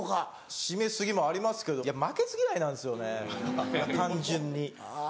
閉め過ぎもありますけど負けず嫌いなんですよね単純に。